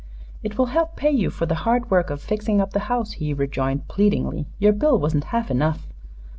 "It will help pay you for the hard work of fixing up the house," he rejoined, pleadingly. "Your bill wasn't half enough."